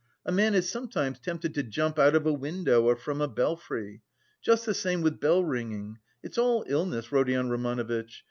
A man is sometimes tempted to jump out of a window or from a belfry. Just the same with bell ringing.... It's all illness, Rodion Romanovitch!